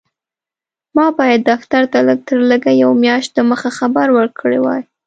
ما باید دفتر ته لږ تر لږه یوه میاشت دمخه خبر ورکړی وای.